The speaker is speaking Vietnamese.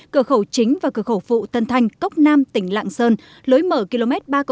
cửa khẩu chính và cửa khẩu phụ tân thanh cốc nam tỉnh lạng sơn lối mở km ba